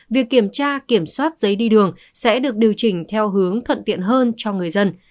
việc kiểm tra kiểm soát giấy đi đường sẽ được điều chỉnh theo hướng thuận tiện hơn cho người dân